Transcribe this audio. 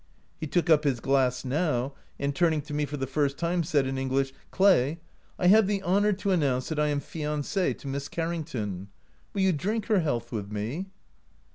He took up his glass now, and turning to me, for the first time, said in English, ' Clay, I have the honor to announce that I am fianc¥ to Miss Carrington. Will you drink her health with me